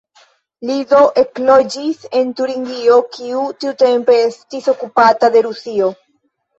Li do ekloĝis en Turingio, kiu tiutempe estis okupata de Rusio.